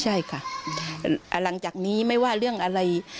ใช่ค่ะหลังจากนี้ไม่ว่าเรื่องอะไร